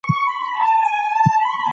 وزیر